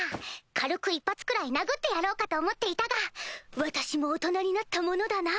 軽く１発くらい殴ってやろうかと思っていたが私も大人になったものだな。